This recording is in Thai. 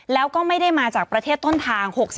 แล้วก็ไม่ได้มาจากประเทศต้นทาง